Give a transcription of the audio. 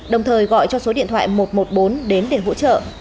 đồng thời gọi cho số điện thoại một trăm một mươi bốn đến để hỗ trợ